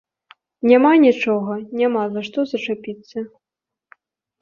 Няма нічога, няма за што зачапіцца.